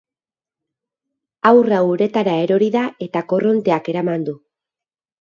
Haurra uretara erori da eta korronteak eraman du.